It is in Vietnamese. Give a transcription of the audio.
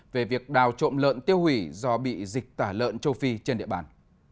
về việc đào trộm lợn tiêu hủy do bị dịch tả lợn châu phi trên địa bàn